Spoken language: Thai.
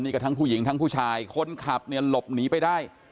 นี่ก็ทั้งผู้หญิงทั้งผู้ชายคนขับเนี่ยหลบหนีไปได้